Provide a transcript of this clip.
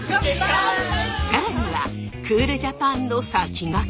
更にはクールジャパンのさきがけ？